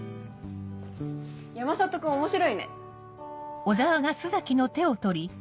山里君面白いね。